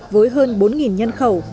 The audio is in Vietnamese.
với hơn bốn nhân khẩu